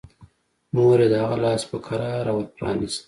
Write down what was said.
مور يې د هغه لاس په کراره ور پرانيست.